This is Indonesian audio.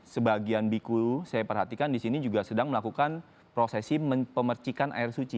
sebagian bikulu saya perhatikan di sini juga sedang melakukan prosesi pemercikan air suci